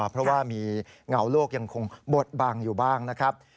เพราะว่ามีเงาโลกยังคงบดบังอยู่บ้างนะครับ